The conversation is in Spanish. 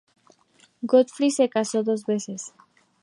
Godfrey se casó dos veces.